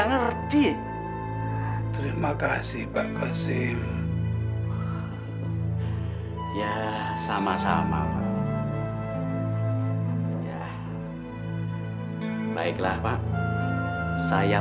aku tidak pernah memilikinya